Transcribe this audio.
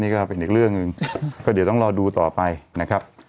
นี่ก็เป็นอีกเรื่องหนึ่งก็เดี๋ยวต้องรอดูต่อไปนะครับ